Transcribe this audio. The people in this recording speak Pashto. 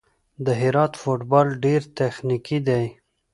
د هرات فوټبال ډېر تخنیکي دی.